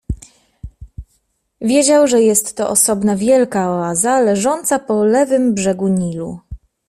Wiedział, że jest to osobna, wielka oaza, leżąca po lewym brzegu Nilu.